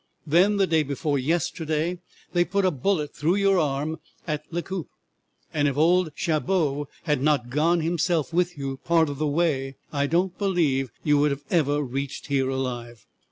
Then the day before yesterday they put a bullet through your arm at Lecoup, and if old Chabeau had not gone himself with you part of the way, I do not believe you would ever have reached here alive.